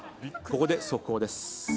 ここで速報です。